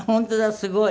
すごい。